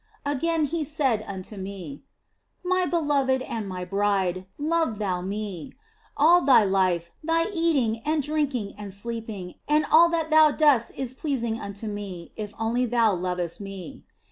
Again He said unto me, " My beloved and My bride, love thou Me ! All thy life, thy eating and drinking and sleeping and all that thou dost is pleasing unto Me, if only thou lovest Me."